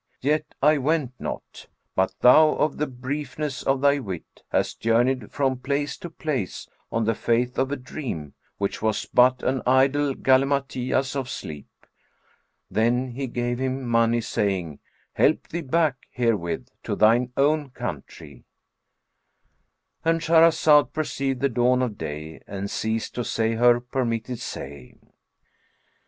Yet I went not; but thou, of the briefness of thy wit, hast journeyed from place to place, on the faith of a dream, which was but an idle galimatias of sleep." Then he gave him money saying, "Help thee back herewith to thine own country;"— And Shahrazad perceived the dawn of day and ceased to say her permitted say.